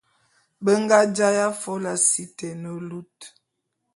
Be nga jaé afôla si te ne lut.